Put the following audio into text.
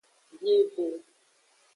Bieve.